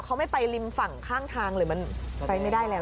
เขาไม่ไปริมฝั่งข้างทางหรือมันไปไม่ได้แล้ว